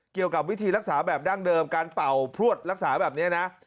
เกี่ยวกับวิธีรักษาแบบดั้งเดิมการเป่าพลวดรักษาแบบนี้นะ